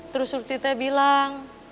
terus surti teh bilang